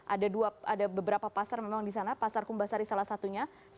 ada beberapa pasar memang di sana pasar kumbasari salah satunya